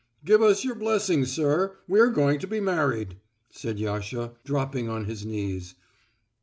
"Give us your blessing, sir, we're going to be married," said Yasha, dropping on his knees.